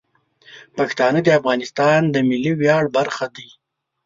پښتانه د افغانستان د ملي ویاړ برخه دي.